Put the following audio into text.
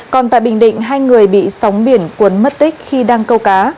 còn tại bình định hai người bị sóng biển cuốn mất tích khi đang câu cá